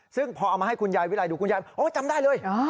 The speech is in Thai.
ซึ่งพอเอามาให้คุณยายวิรัยดูคุณยายบอกโอ้จำได้เลย